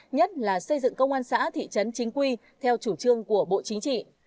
nhất là xây dựng công an xã thị trấn chính quy theo chủ trương của bộ chính trị